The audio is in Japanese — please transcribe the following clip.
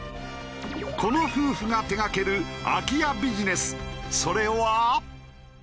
この夫婦が手がける空き家ビジネスそれは。